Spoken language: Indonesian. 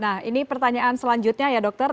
nah ini pertanyaan selanjutnya ya dokter